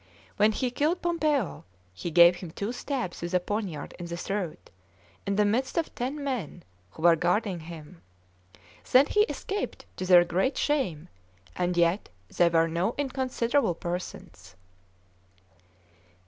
When he killed Pompeo, he gave him two stabs with a poniard in the throat, in the midst of ten men who were guarding him; then he escaped, to their great shame, and yet they were no inconsiderable persons."